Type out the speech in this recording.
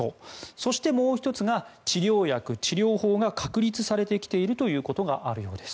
そして、もう１つが治療薬・治療法が確立されてきていることがあるようです。